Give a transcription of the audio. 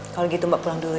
kalau gitu mbak pulang dulu